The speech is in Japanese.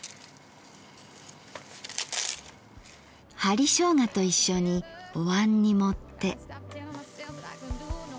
針しょうがと一緒におわんに盛って。